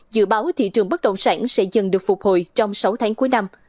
dự báo thị trường bất động sản sẽ dần được phục hồi trong sáu tháng cuối năm